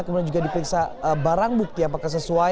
kemudian juga diperiksa barang bukti apakah sesuai